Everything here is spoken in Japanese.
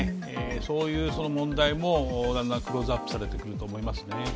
そういう問題もだんだんクローズアップされてくると思いますね。